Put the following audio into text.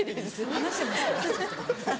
話してますから。